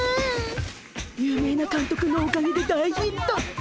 有名なかんとくのおかげで大ヒット！